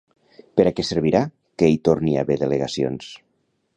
Per a què servirà que hi torni a haver delegacions?